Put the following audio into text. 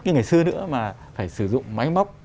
như ngày xưa nữa mà phải sử dụng máy móc